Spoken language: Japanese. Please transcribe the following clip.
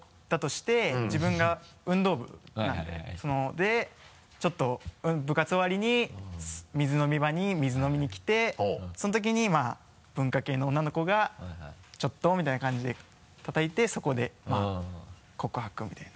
でちょっと部活終わりに水飲み場に水飲みに来てその時にまぁ文化系の女の子がちょっとみたいな感じでたたいてそこでまぁ告白みたいな。